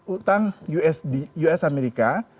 utang usd us amerika